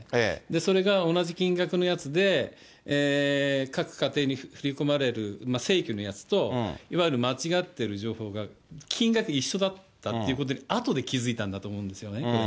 それが同じ金額のやつで、各家庭に振り込まれる正規のやつと、いわゆる間違ってる情報が金額一緒だったということで、あとで気付いたんだと思うんですね。